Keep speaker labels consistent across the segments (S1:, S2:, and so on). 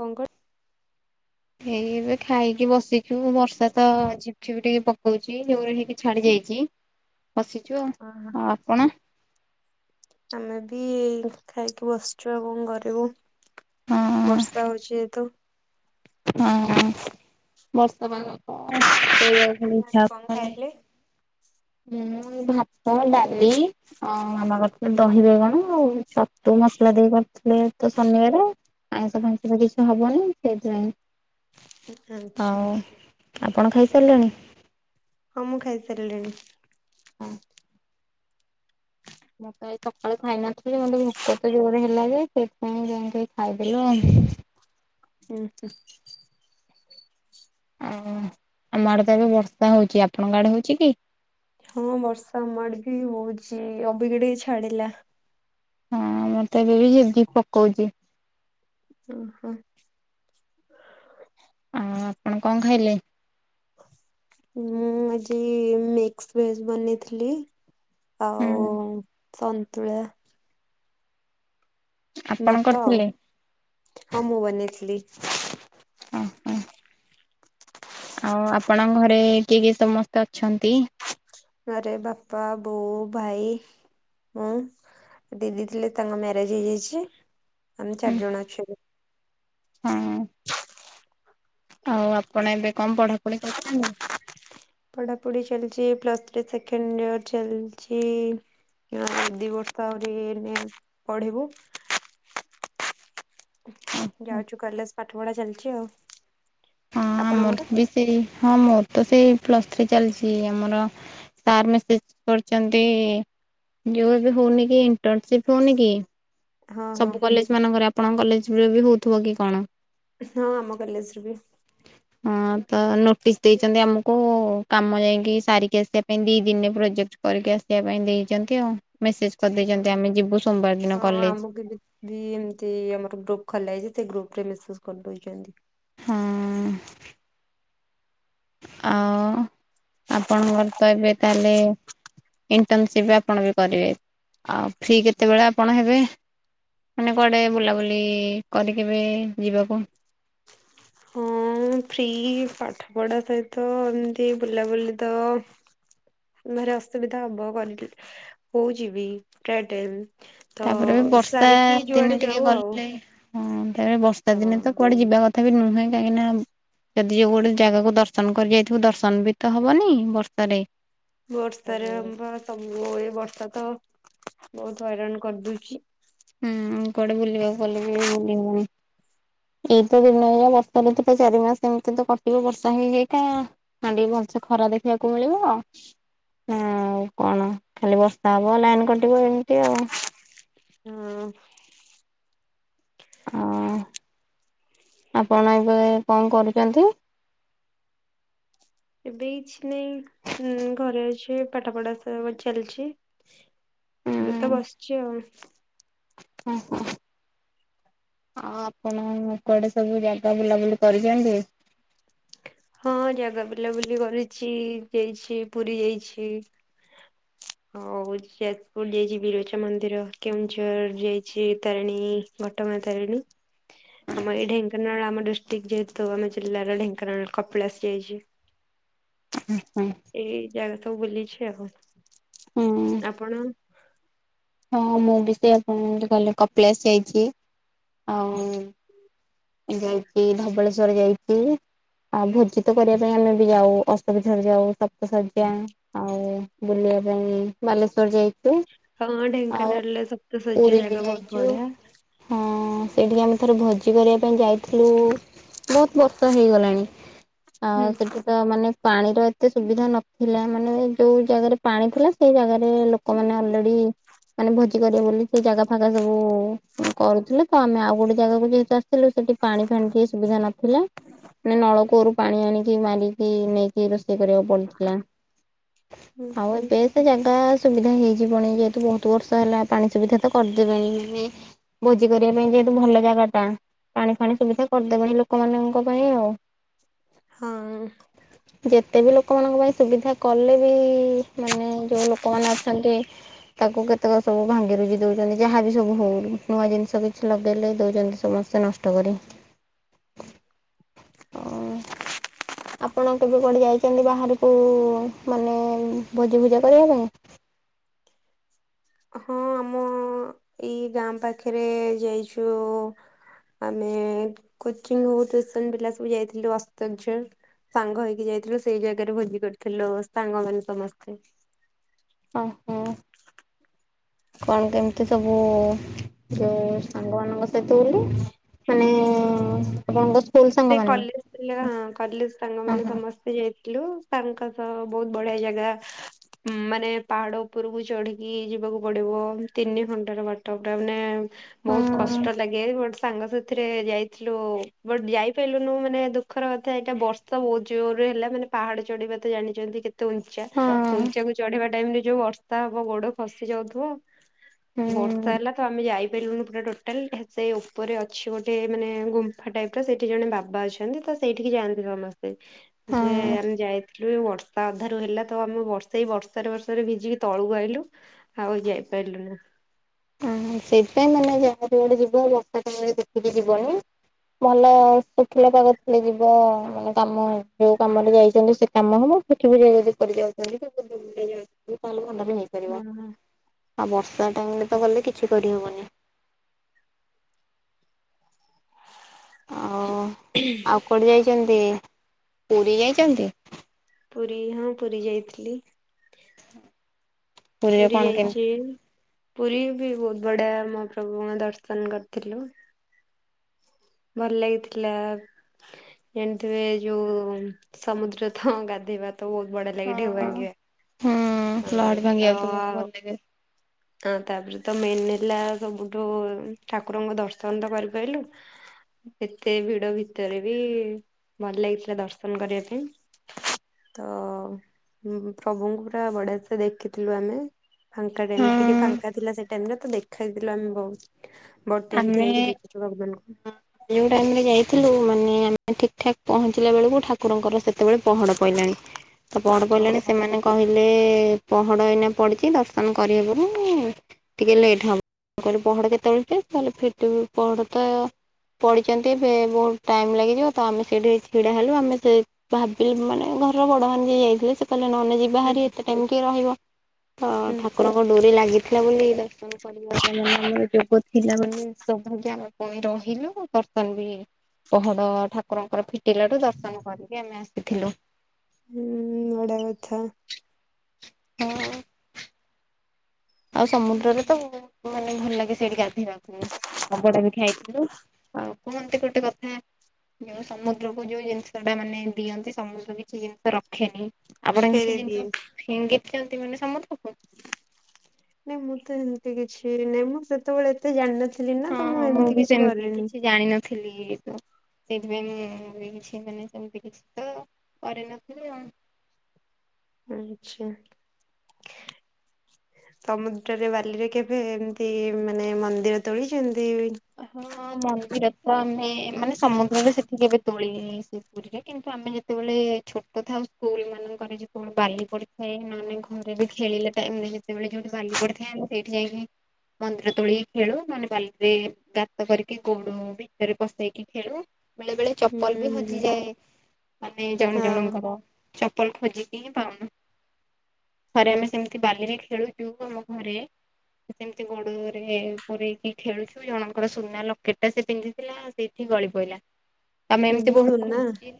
S1: କଣ କ
S2: ଏଇ ଏବେ ଖାଇକି ବସିଛୁ, ବର୍ଷା ତ ଝିପ୍ ଝିପ ଟିକେ ପକଉଛି ଜୋରେ ହେଇକି ଛାଡି ଯାଇଛି। [inaudible] ଆଉ
S1: ଅ ହଁ।
S2: ଆଉ ଆପଣ
S1: ଆମେ ବି ଖାଇକି ବସିଛୁ ଆଉ କଣ କରିବୁ।
S2: ହଁ
S1: ବର୍ଷା ହଉଛି ଯେହେତୁ।
S2: ହଁ ବର୍ଷା ପାଗ ତ ଶୋଇବାକୁ ପୁଣି ଇଛା
S1: କଣ
S2: ହବନି।
S1: ଖାଇଲେ?
S2: ମୁଁ ଏ ଭାତ ଡାଲି ଅ ମାମା କରିଥିଲେ ଦହି ବାଇଗଣ ଆଉ ଛ ତୁ ମସଲା ଦେଇ କରିଥିଲେ ତ ଶନିବାର ଆଇଁଷ ଫାଇଁଷ ର କିଛି ହବନି। ସେଇଥିପାଇଁ
S1: ଆଚ୍ଛା
S2: ଆଉ ଆପଣ ଖାଇସାଇଲେଣି?
S1: ହଁ ମୁଁ ଖାଇସାରିଲିଣି।
S2: ହଁ। ମୁଁ ପା ଏଇ ସକାଳେ ଖାଇ ନଥିଲି, ମୋତେ ଭୋକ ତ ଜୋରରେ ହେଲା ଯେ ସେଥିପାଇଁ ଯାଇକି ଖାଇଦେଲି ଆଉ।
S1: ହୁଁ ହୁଁ।
S2: ଆଉ ଆମ ଆଡେ ତ ଏବେ ବର୍ଷା ହଉଛି, ଆପଣଙ୍କ ଆଡେ ହଉଛି କି?
S1: ହଁ ବର୍ଷା ଆମ ଆଡ଼େ ବି ହଉଛି ଅବିକା ଟିକେ ଛାଡିଲା।
S2: ହଁ ଆମର ତ ଏବେ ବି ଝିପ୍ ଝିପ୍ ପକଉଛି।
S1: ଓ ହୋ।
S2: ଆ ଆପଣ କଣ ଖାଇଲେ?
S1: ମୁଁ ଆଜି ମିକ୍ସ ଭେଜ ବନେଇଥିଲି।
S2: ହୁଁ
S1: ଆଉ ସନ୍ତୁଳା।
S2: ଆପଣ
S1: ଭାତ ଆଉ,
S2: କରିଥିଲେ
S1: ହଁ ମୁଁ ବନେଇଥିଲି।
S2: ଓହୋ, ଆଉ ଆପଣଙ୍କ ଘରେ କିଏ କିଏ ସମସ୍ତେ ଅଛନ୍ତି?
S1: ଘରେ ବାପା, ବୋଉ, ଭାଇ ହଁ, ଦିଦି ଥିଲେ ତାଙ୍କ ମ୍ୟାରେଜ ହେଇଯାଇଛି। ଆମେ ଚାରି ଜଣ ଅଛୁ।
S2: ହାଁ ଆଉ, ଆପଣ ଏବେ କଣ ପଢାପଢି କରିଛନ୍ତି?
S1: ପଢାପଢି ଚାଲିଛି, ପ୍ଲସ୍ ଥ୍ରୀ ସେକେଣ୍ଡ ଇୟର ଚାଲିଛି। ଆଉ ଦି ବର୍ଷ ଆହୁରି ପଢିବୁ।
S2: ଓହୋ ହଁ
S1: ଯାଉଛୁ କଲେଜ ପାଠ ପଢା ଚାଲିଛି ଆଉ।
S2: ହଁ,
S1: ଆପଣଙ୍କର?
S2: ଆମର ବି ସେଇ ହଁ ମୋର ତ ସେଇ ପ୍ଲସ୍ ଥ୍ରୀ ଚାଲିଛି ଆମର। ସାର୍ ମେସେଜ କରିଛନ୍ତି ଯଉ ଏବେ ହଉନି କି ଇଣ୍ଟର୍ନସିପ ହଉନି କି?
S1: ହଁ ହଁ
S2: ସବୁ କଲେଜ ମାନଙ୍କରେ ଆପଣଙ୍କ କଲେଜରେ ବି ହଉଥିବ କି କଣ?
S1: ହଁ, ଆମ କଲେଜ ରେ ବି।
S2: ହ। ହଁ, ତ ନୋଟିସ୍ ଦେଇଛନ୍ତି ଆମକୁ, କାମ ଯାଇକି ସାରିକି ଆସିବା ପାଇଁ ଦି ଦିନ ରେ ପ୍ରୋଜେକ୍ଟ। କରିକି ଆସିବା ପାଇଁ ଦେଇଛନ୍ତି ଆଉ ମେସେଜ କରିଦେଇଛନ୍ତି
S1: ହଁ
S2: ଆମେ ଯିବୁ ସୋମବାର ଦିନ
S1: ହଁ
S2: କଲେଜ।
S1: ଆମକୁ ବି ଏମିତି ଆମର ଗ୍ରୁପ ଖୋଲା ହେଇଛି, ସେ ଗ୍ରୁପ ରେ ମେସେଜ କରି ଦେଉଛନ୍ତି।
S2: ହଁ। ଆଉ, ଆପଣଙ୍କର ତ ଏବେ ତାହେଲେ ଇଣ୍ଟର୍ନସିପ ଆପଣ ବି କରିବେ, ଆଉ ଫ୍ରି କେତେବେଳେ ଆପଣ ହେବେ? ମାନେ କୁଆଡ଼େ ବୁଲାବୁଲି କରିକି ବି ଯିବାକୁ।
S1: ହୁଁ ମୁଁ ଫ୍ରି ପାଠପଢ଼ା ସହିତ ଏମିତି ବୁଲାବୁଲି ତ ଘରେ ଅସୁବିଧା ହବ, ହଉଛିି ବି ପ୍ରାୟ ଟାଇମ୍। ତ,
S2: ତାପରେ ବି ବର୍ଷା
S1: ସାରିକି
S2: ଦିନେ
S1: ଯୁଆଡ଼େ
S2: ଟିକେ
S1: ଯାଉ ଆଉ।
S2: ଗଲେ ହଁ, ତାପରେ ବର୍ଷା ଦିନେ
S1: ହଁ।
S2: ତ କୁଆଡ଼େ ଯିବା କଥା ବି ନୁହେଁ କାହିଁକିନା ଯଦି ଯୋଉ ଗୋଟେ ଜାଗାକୁ ଦର୍ଶନ କରି ଯାଇଥିବୁ, ଦର୍ଶନ ବି ତ ହବନି ବର୍ଷା ରେ
S1: ବର୍ଷାରେ ଆ ବା ସବୁ ଏ ବର୍ଷା ତ ବହୁତ ହଇରାଣ କରିଦଉଛି।
S2: ହୁଁ, କୁଆଡେ ବୁଲିବାକୁ ଗଲେ ବି ବୁଲି ହଉନି। ଏଇ ତ ଦିନ ଏଇ ବର୍ଷା ଋତୁ ତ ଚାରି ମାସ ଏମିତି ତ କଟିବ ବର୍ଷା ହେଇ ହେଇକା। ନା ଟିକେ ଭଲସେ ଖରା ଦେଖିବାକୁ ମିଳିବ ନା ଆଉ କଣ ଖାଲି ବର୍ଷା ହବ, ଲାଇନ କଟିବ ଏମିତି ଆଉ।
S1: ହଁ।
S2: ହଁ, ଆପଣ ଏବେ କଣ କରୁଛନ୍ତି?
S1: ଏବେ କିଛି ନାହିଁ ଘରେ ଅଛି, ପାଠପଢା ସବୁ ଚାଲିଛି।
S2: ଉଁ
S1: ଏବେ ତ ବସିଛି ଆଉ।
S2: ହୁଁ, ହୁଁ। ଆଉ ଆପଣ ମାନେ କୁଆଡ଼େ ସବୁ ଜାଗା ବୁଲାବୁଲି କରିଛନ୍ତି?
S1: ହଁ, ଜାଗା ବୁଲାବୁଲି କରିଛି। ଯାଇଛି ପୁରୀ ଯାଇଛି।
S2: ହ
S1: ଆଉ ଯାଜପୁର ଯାଇଛି ବିରଜା ମନ୍ଦିର, କେଉଁଝର ଯାଇଛି ତାରିଣୀ ଘଟଁଗା ତାରିଣୀ। ଆମ ଏଇ ଢେଙ୍କାନାଳ ଆମ ଡିଷ୍ଟ୍ରିକ୍ଟ ଯେହେତୁ ଆମ ଜିଲ୍ଲାର ଢେଙ୍କାନାଳର କପିଳାସ ଯାଇଛି।
S2: ହୁଁ ହୁଁ।
S1: ଏଇ ଜାଗା ସବୁ ବୁଲିଛି ଆଉ। ଆପଣ?
S2: ହଁ ମୁଁ ବି ସେ ଆପଣ କହିଲେ କପିଳାସ ଯାଇଛି ଆଉ ଯାଇଛି ଧବଳେଶ୍ଵର ଯାଇଛି। ଆଉ ଭୋଜିତ କରିବା ପାଇଁ ଆମେ ବି ଯାଉ, ଅଶୋକଝର ଯାଉ, ସପ୍ତଶଯ୍ୟା ଆଉ ବୁଲିବା ପାଇଁ ବାଲେଶ୍ଵର ଯାଇ
S1: ହଁ, ଢେଙ୍କାନାଳରେ ସପ୍ତସଯ୍ୟା
S2: ପୁରୀ ବି
S1: ଜାଗା ବହୁତ
S2: ଯାଇଛୁ।
S1: ବଢ଼ିଆ।
S2: ହଁ, ସେଇଠିକି ଆମେ ଥରେ ଭୋଜି କରିବା ପାଇଁ ଯାଇ ଥିଲୁ ବହୁତ ବର୍ଷ ହେଇଗଲାଣି।
S1: ହୁଁ
S2: ଆଉ ସେଠି ତ ମାନେ ପାଣିର ଏତେ ସୁବିଧା ନଥିଲା। ମାନେ ଯୋଉ ଜାଗାରେ ପାଣି ଥିଲା ସେଇ ଜାଗାରେ ସେ ଲୋକମାନେ ଅଲରେଡି, ମାନେ ଭୋଜି କରିବେ ବୋଲି ସେ ଜାଗା ଫାଗା ସବୁ କରୁଥିଲେ ତ, ଆମେ ଆଉ ଗୋଟେ ଜାଗାକୁ ଯାଇ ହେଲେ ସେଠି ପାଣିଫାଣି ଟିକେ ସୁବିଧା ନଥିଲା। ମାନେ ନଳକୂଅରୁ ପାଣି ଆଣିକି ମାରିକି ନେଇକି ରୋଷେଇ କରିବାକୁ ପଡ଼ିଥିଲା।
S1: ହୁଁ
S2: ଆଉ
S1: ହୁଁ
S2: ଏବେ ସେ ଜାଗା ସୁବିଧା ହେଇଯିବଣି, ଯେହେତୁ ବହୁତ ବର୍ଷ ହେଲା ପାଣି ସୁବିଧା ତ କରିଦେବେଣି। ଭୋଜି କରିବା ପାଇଁ ଯେହେତୁ ଭଲ ଜାଗା ଟା। ପାଣି ଫାଣି ସୁବିଧା କରିଦେବେଣି ଲୋକମାନଙ୍କ ପାଇଁ ଆଉ।
S1: ହଁ।
S2: ଯେତେବି ଲୋକମାନଙ୍କ ପାଇଁ ସୁବିଧା କଲେବି, ମାନେ ଯୋଉ ଲୋକମାନେ ଅଛନ୍ତି। ତାକୁ କେତେକ ସବୁ ଭାଙ୍ଗିରୁଜି ଦଉଛନ୍ତି ଯାହାବି ସବୁ ହଉ, ନୂଆ ଜିନିଷ କିଛି ଲଗେଇଲେ ଦଉଛନ୍ତି ସମସ୍ତେ ସେ ନଷ୍ଟ କରେ। ଅଁ ଆପଣ କେବେ କୁଆଡେ ଯାଇଛ ନ୍ତି ବାହାରକୁ ମାନେ ଭୋଜିଭୁଜା କରିବା ପାଇଁ?
S1: ହଁ ଆମ ଏଇ ଗାଁ ପାଖରେ ଯାଇଛୁ ଆମେ କୋଚିଂ ହଉ ଟ୍ୟୁସନ ପିଲା ସବୁ ଯାଇଥିଲୁ ଅସ୍ତଞ୍ଚର। ସାଙ୍ଗ ହେଇକି ଯାଇଥିଲୁ ସେଇ ଜାଗାରେ ଭୋଜି କରିଥିଲୁ ସାଙ୍ଗମାନେ ସମସ୍ତେ।
S2: ଅ ହଁ। କଣ କେମିତି ସବୁ ଯୋଉ ସାଙ୍ଗ ମାନଙ୍କ ସହିତ ବୁଲି। ମାନେ ଆପଣଙ୍କ ସ୍କୁଲ
S1: ସେ
S2: ସାଙ୍ଗମାନେ?
S1: କଲେଜ ପିଲା କଲେଜ
S2: ହଁ
S1: ସାଙ୍ଗମାନେ
S2: ହଁ
S1: ସମସ୍ତେ ଯାଇଥିଲୁ ତାଙ୍କ ସହ ବହୁତ ବଢିଆ ଜାଗା ମାନେ ପାହାଡ ଉପରକୁ ଚଢିକି ଯିବାକୁ ପଡିବ ତିନି ଘଣ୍ଟାର ବାଟ ତା ମାନେ
S2: ହଁ
S1: ବହୁତ କଷ୍ଟ ଲାଗେ ବଟ୍ ସାଙ୍ଗ ସାଥିରେ ଯାଇଥିଲୁ ବଟ୍ ଯାଇ ଲୁନୁ ମାନେ ଦୁଃଖର କଥା ଏଇଟା ବର୍ଷା ବହୁତ ଜୋରରେ ହେଲା ମାନେ ପାହାଡ ଚଢିବାତ ଜାଣିଛନ୍ତି କେତେ
S2: ହଁ
S1: ଉଞ୍ଚାବଉଞ୍ଚା କୁ ଚଢେଇବା ଟାଇମରେ ଯୋଉ ବର୍ଷା ହବ ଗୋଡ ଖସି ଯାଉଥିବ ତ ବର ବର୍ଷା
S2: ହୁଁ
S1: ହେଲା ତ ଆମେ ଯାଇପାରିଲୁନି ପୁରା ଟୋଟାଲ ସେ ଉପରେ ଅଛି ଗୋଟେ ମାନେ ଗୁମ୍ଫା ଟାଇପର ସେ ଠି ଜଣେ ବାବା ଅଛନ୍ତି ତ ସେଇଠିକି ଯାଆନ୍ତି ସମସ୍ତେ, ଯେ
S2: ହଁ
S1: ଆମେ ଯାଇ ଯୋଉ ବର୍ଷା ଅଧାରୁ ହେଲା ତ ଆମେ ବର୍ଷେଇ ସେଇ ବର୍ଷାରେ ବର୍ଷାରେ ଭିଜିକି ତଳୁକୁ ଆଇଲୁ। ଆଉ ଯାଇପାରିଲୁନୁ।
S2: ହୁଁ ହୁଁ ସେଇଥିପାଇଁ ମାନେ ଯାହା ଯୁଆଡେ ଯିବ ବର୍ଷା କୁ ଦେଖିକି ଯିବନି। ଭଲ ଶୁଖିଲା ପାଗ ଥିଲେ ଯିବ ମାନେ କାମ ଯୋଉ କାମରେ ଯାଇଛନ୍ତି ସେ କାମ ହବ। କିଛି ବି ଯ ଯଦି କରି ଯାଉଛନ୍ତି [inaudible] [inaudible] ତାହେଲେ ଭଲବି ହେଇପାରିବ
S1: ହୁଁ ହୁଁ।
S2: ଆଉ ବର୍ଷା ଟାଇମରେ ତ ଗଲେ କିଛି କରିହବନି। ଆଅଁ
S1: ହୁଁ।
S2: ଆଉ କୁଆଡେ ଯାଇଛନ୍ତି ପୁରୀ ଯାଇଛନ୍ତି?
S1: ପୁରୀ ହଁ ପୁରୀ ଯାଇଥିଲି।
S2: [inaudible] ପୁରୀରେ
S1: ପୁରୀ
S2: କଣ କେମିତି
S1: ଯାଇଛି ପୁରୀ ବି ବହୁତ ବଢିଆ ମହାପ୍ରଭୁଙ୍କ ଦର୍ଶନ କରିଥିଲୁ। ଭଲ ଲାଗିଥିଲା। ଯେମିତିରେ ଯୋଉ ସମୁଦ୍ର ତ ଗାଧେଇବା ତ ବହୁତ ବଢିଆ ଲାଗେ ଢେଉ
S2: ହଁ।
S1: ଭାଙ୍ଗିବା।
S2: ହୁଁ
S1: ହଁ
S2: ଲହଡି ଭାଙ୍ଗିବାକୁତ ବହୁତ ଭଲ ଲାଗେ।
S1: ହଁ ତାପରେ ତ ମେନ୍ ହେଲା ସବୁଠୁ ଠାକୁରଙ୍କ ଦର୍ଶନ ତ କରିପାରିଲୁ। ଏତେ ଭିଡ ଭିତରେ ବି ଭଲ ଲାଗିଥିଲା ଦର୍ଶନ କରିବା ପାଇଁ। ତ ପ୍ରଭୁଙ୍କୁ ପୁରା ବଢିଆ ସେ ଦେଖିଥିଲୁ ଆମେ। ଫାଙ୍କା ଟାଇମ୍ ଟିକେ ଫାଙ୍କା
S2: ହଁ
S1: ଥିଲା ସେଇଟା ତ ଦେଖଥିଲୁ ଆମେ ବହୁତ ବ ଟାଇମ ଠିଆଇକି ଦେଖଛୁ ଭଗବାନଙ୍କୁ।
S2: ଯଉ ଟାଇମ ରେ ଯାଇଥିଲୁ ମାନେ ଆମେ ଠିକ ଠାକ ପହଞ୍ଚିଲା ବେଳକୁ ଠା ଠାକୁରଙ୍କର ସେତେବେଳେ ପହଡ ପଇଲାଣି ତ ପହଡ ପଇିଲାଣି
S1: ଓହୋ
S2: ସେମାନେ କହିଲେ ପହଡ଼ ଏଇନା ପଡ଼ିଛି ଦର୍ଶନ କରିହେବନି। ଟିକେ ଲେଟ୍ ହବ କହିଲି ପହ କେତେବେଳେ ଫିଟିବ ପହଡ ତ ପଡ଼ିଛନ୍ତି ଏବେ ବହୁତ ଟାଇମ୍ ଲାଗିଯିବ ତ ଆମେ ସେଇଠି ଛିଡ଼ା ହେଲୁ ଆମେ ସେ ଭାବିଲି ମାନେ ଘରର ବଡ ମାନ ଯିଏ ଯାଇଥିଲେ ସେ କହିଲେ ନହେଲେ ଯିବା
S1: ହୁଁ
S2: ବାହାରି ଏତେ ଟାଇମ କି ରହିବ ତ
S1: ହୁଁ।
S2: ଠାକୁରଙ୍କ ଡୋରି ଲାଗିଥିଲା ବୋଲି ଦର୍ଶନ କରିବା ଯୋଗ ଥିଲା ମାନେ ଆମେ ପୁଣି ରହିଲୁ ଦର୍ଶନ ବି ପହଡ ଠାକୁରଙ୍କର ଫିଟିଲାଠୁ ଦର୍ଶନ କରିକି ଆମେ ଆସିଥିଲୁ।
S1: ହୁଁ ବଢିଆ କଥା।
S2: ହଁ। ଆଉ ସମୁଦ୍ରରେ ତ ମାନେ ଭଲ ଲାଗେ ସେଇଠି ଗାଧୋଇବାକୁ ଆବଡ଼ା ବି ଖାଇଥିଲୁ। ଆଉ କୁହନ୍ତି ଗୋଟେ କଥା ଯୋଉ ସମୁଦ୍ରକୁୁ ଯୋଉ ଜିନିଷ ଟା ମାନେ ଦିଅନ୍ତି ସମୁଦ୍ର କିଛି ଜିନିଷ ରଖ ରଖେନି ଆପଣ କିଛି
S1: ଫେରେଇ ଦିଏ
S2: ଜିନିଷ ଫିଙ୍ଗିଛନ୍ତି ମାନେ ସମୁନ୍ଦ୍ରକୁ?
S1: ନାଇଁ ମୁଁ ତ ଏମିତି କିଛି ନାଇଁ ମୁଁ ସେ ସେତେବେଳେ ଏତେ ଜାଣିନଥିଲି ନା ତ ମୁଁ
S2: ବି
S1: ଏମିତି କିଛି
S2: ସେମିତି
S1: କରିନି।
S2: କିଛି ଜାଣିନଥିଲି ଥିଲି ମୁଁ। ସେଇଥିପାଇଁ ମୁଁ କିଛି ମାନେ ସେମିତି କିଛି ତ କରିନଥିଲି ଆଉ।
S1: ଆଚ୍ଛା। ସମୁଦ୍ରରେ ବାଲିରେ କେବେ ଏମତି ମାନେ ମନ୍ଦିର ତୋଳିଛନ୍ତି?
S2: ହଁ ମନ୍ଦିର ତ ଆମେ ମାନେ ସମୁଦ୍ରରେ ସେଠିକି କେବେ ତୋଳିନି ସେ ପୁରୀରେ କିନ୍ତୁ ଆମେ ଯେ ଯେତେବେଳେ ଛୋଟ ଥାଉ ସ୍କୁଲ ମାନଙ୍କରେ ଯେତେବେଳେ ବାଲି ପଡିଥାଏ ମାନେ ଘରେ ବି ଖେଳିଲା ଟାଇମରେ ସେତେବେଳେ ଯୋଉଠି ବାଲି ପଡିଥାଏ ସେଇଠି ଯାଇକି ମନ୍ଦିର ତୋଳିକି ଖେଳୁ ମାନେ ବାଲିରେ ଗାତ କରିକି ଗୋଡୁ ଭିତରେ ପସେଇକି ଖେଳୁ। ବେଳେ ବେଳେ ଚପଲ ବି
S1: ହୁଁ
S2: ହଜିଯାଏ ମାନେ ଜଣେ ଜଣଙ୍କର ଚପଲ ଖୋଜି ଖୋଜିକି ପାଉନୁ ଥରେ ଆମେ ସେମିତି ବାଲିରେ ଖେଳୁଛୁ ଆମ ଘରେ ସେମିତି ଗୋଡରେ ପୁରେଇକି ଖେଳୁଛୁ ଜଣ ଙ୍କର ଗୋଟେ ସୁନା ଲକେଟ ଟା ସେ ପିନ୍ଧିଥିଲା ଆଉ ସେଇଠି ଗଳି ପଇଲା। ତମେ ଏମିତି
S1: ହଁ
S2: ବହୁତ
S1: ସୁନା
S2: ଖୋଜୁ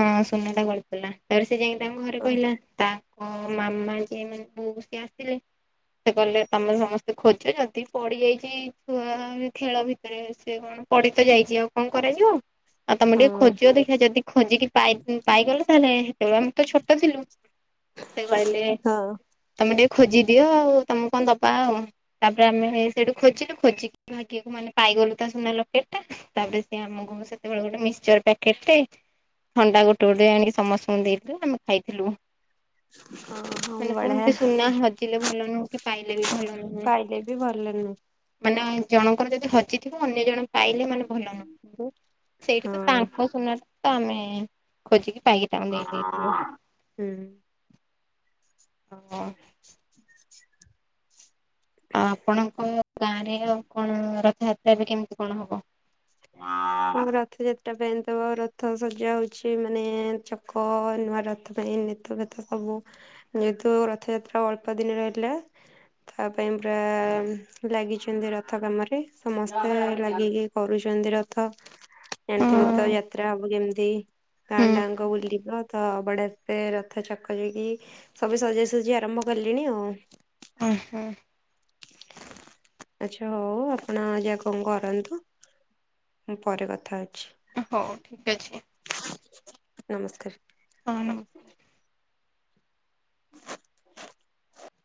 S2: ହଁ ସୁନାଟା ଗଳି ପଡ଼ିଲା ତ ସେ ଯାଇକି ତାଙ୍କ ଘରେ
S1: ହଁ
S2: କହିଲା ତା ହ ମାମା ଯିଏ ମାନେ ବୋଉ ସିଏ ଆସିଲେ ସେ କଲେ ତମେ ସମସ୍ତେ ଖୋଜ ଯଦି ପଡିଯାଇଛି ଛୁଆ ଖେଳ ଭିତରେ ସେ କଣ ପଡିତ ଯାଇଛି ଆଉ କଣ କରାଯିବ? ଆଉ ତମେ ଟିକେ
S1: ହଁ।
S2: ଖୋଜି ଦେଖିବା ଯଦି ଖୋଜିକି ପାଇଗଲେ ତାହେଲେ ସେତେବେଳେ ଆମ ତ ଛୋଟଥିଲୁ ସେ କହିଲେ
S1: ହଁ
S2: ତମେ ଟିକେ ଖୋଜିଦିଅ ଆଉ ତମେ କଣ ଦବା ଆଉ ତାପରେ ଆମେ ସେଇଠୁ ଖୋଜିଲୁ ଖୋଜିକି ଏକୁ ମାନେ ପାଇଗଲୁ ତା ସୁନା ଲକେଟ ଟା ତାପରେ ସିଏ ଆମକୁ ସେତେବେଳେ ଗୋଟେ ମିକ୍କଚର ପ୍ୟାକେଟ୍ ଟେ ଥଣ୍ଡା ଗୋଟେ ଗୋଟେ ଆଣିକି ସମସ୍ତଙ୍କୁ ଦେଇଥିଲେ ଆମେ ଖାଇଥିଲୁ।
S1: ହଁ ହଁ।
S2: ମାନେ
S1: ବଢିଆ
S2: କୁହନ୍ତି ସୁନା ହଜିଲେ ଭଲ ନୁହଁ କି ପାଇଲେ ବି ଭଲ ନୁହେଁ।
S1: ପାଇଲେ ବି ଭଲ ନୁହଁ।
S2: ମାନେ ଜଣଙ୍କର ଯଦି ହଜିଥିବ ଅନ୍ୟ ଜଣ ପାଇଲେ ମାନେ ଭଲ ନୁହଁ ସେଇଠି ତ
S1: ହଁ।
S2: ତାଙ୍କ ସୁନା ଟା ତ ଆମେ ଖୋଜିକି ପାଇକି ତାଙ୍କୁ ଦେଇ ଦେଇଥିଲୁ।
S1: [inaudible] ହୁଁ।
S2: ହଁ ହଁ।
S1: [inaudible]
S2: ଆପଣଙ୍କ ଗାଁରେ ଆଉ କଣ ରଥଯାତ୍ରା ବି କେମିତି କଣ ହବ?
S1: [inaudible] ଆ ରଥ ଯାତ୍ରା ପାଇଁ ତ ରଥ ସଜା ହଉଛି ମାନେ ଚକ ନୂଆ ରଥ ପାଇଁ ତ ସବୁ ଯେହେତୁ ରଥଯାତ୍ରା ଅଳ୍ପ ଦିନ ରହିଲା ତା ପାଇଁ ପୁରା ଲାଗିଛନ୍ତି ରଥ କାମରେ ସମସ୍ତେ ଲାଗିକି କରୁଛନ୍ତି ଚନ୍ତି ରଥ ଜଣିଥିବେ ତ
S2: ହଁ
S1: ଯାତ୍ରା ହବ କେମିତି
S2: ହୁଁ।
S1: ଗାଁଟାଙ୍କ ବୁଲିବ ତ ବଡେ ସେ ରଥ ଚକ ଯକି ସବୁ ସଜାସଜି ଆରମ୍ଭ କଲିଣି ଆଉ।
S2: ଓ ହୋ।
S1: ଆଛା ହଉ ଆପଣ ଯା କଣ କରନ୍ତୁ? ମୁଁ ପରେ କଥା ଅଛି।
S2: ହଉ ଠିକ୍ ଅଛି।
S1: ନମସ୍କାର।
S2: ହଁ ନ
S1: [inaudible]